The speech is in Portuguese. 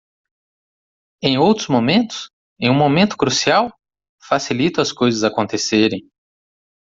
Em outros momentos? em um momento crucial? Facilito as coisas acontecerem.